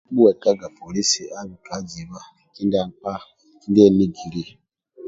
Okukubhuwekaga polisi abika ajiba kindia nkpa enigilio